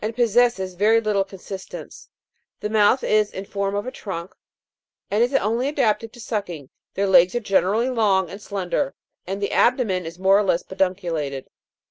possesses very little consistence ; the mouth is in form of a trunk, and is only adapted to sucking ; their legs are generally long and slender; and the abdomen is more or less pedunculated.